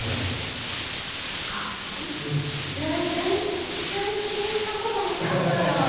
え全然気にしたことなかったや。